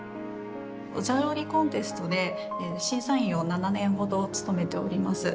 お茶料理コンテストで審査員を７年程、務めております。